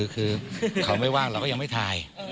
คือเขาไม่ว่างเราก็ยังไม่ถ่าย